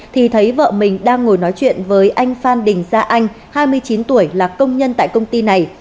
thì thấy vợ mình đang ngồi nói chuyện với anh phan đình gia anh hai mươi chín tuổi là công nhân tại công ty này